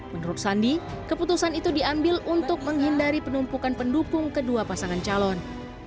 menurut sandi keputusan itu diambil untuk menghindari penumpukan pendukung kedua pasangan calon